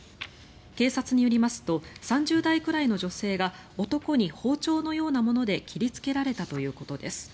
警察によりますと３０代くらいの女性が男に包丁のようなもので切りつけられたということです。